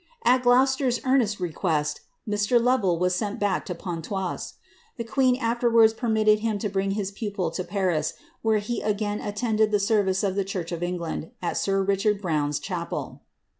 At Gloucester's earnest request, Mr. Lovel was sent back to Pontoise. The queen afterwards permitted him to bring his pupil to Paris^ where he again attended the service of the church of England, at sir Richard Browne's chapel.